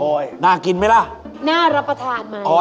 โอ๊ยน่ากินไหมล่ะน่ารับประทานมั้ย